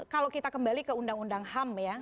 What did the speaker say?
kalau kita kembali ke undang undang ham ya